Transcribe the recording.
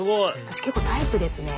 私結構タイプですね